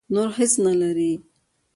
نور هېڅ نه لري.